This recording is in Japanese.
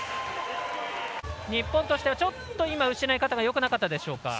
日本としてはちょっと失い方がよくなかったでしょうか。